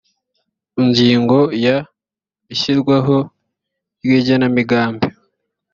ingingo ya ishyirwaho ry igenamigambi